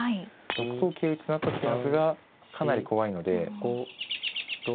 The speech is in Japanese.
６五桂打となった時の図がかなり怖いので。